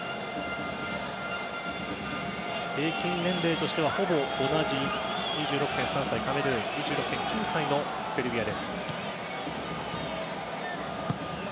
平均年齢としてはほぼ同じ２６．３歳のカメルーン２６．９歳のセルビア。